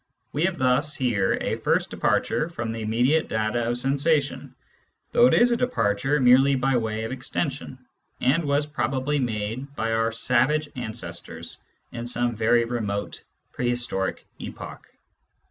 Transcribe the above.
We have thus here a first departure from the immediate data of sensation, though it is a departure merely by way of extension, and was probably made by our savage ancestors in some very remote prehistoric epoch.